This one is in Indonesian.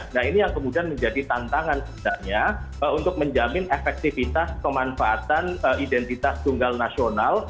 nah ini yang kemudian menjadi tantangan sebenarnya untuk menjamin efektivitas pemanfaatan identitas tunggal nasional